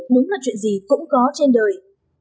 đúng là chuyện gì cũng có trên đời